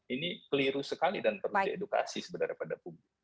ini keliru sekali dan perlu diedukasi sebenarnya pada publik